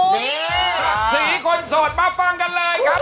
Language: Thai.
มีสีคนโสดมาฟังกันเลยครับ